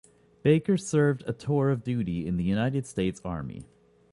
Baker served a tour of duty in the United States Army.